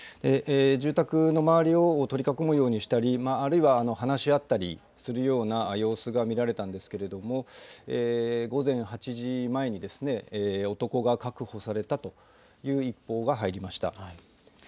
住宅の周りを取り囲むようにしたり、あるいは話し合ったりするような様子が見られたんですけれども、午前８時前に、男が確保されたという一報が入りました。